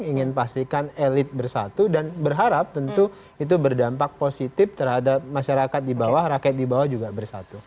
ingin pastikan elit bersatu dan berharap tentu itu berdampak positif terhadap masyarakat di bawah rakyat di bawah juga bersatu